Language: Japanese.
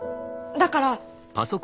だから。